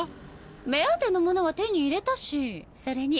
目当てのものは手に入れたしそれに。